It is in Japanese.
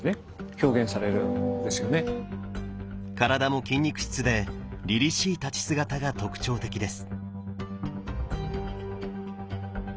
体も筋肉質でりりしい立ち姿が特徴的です。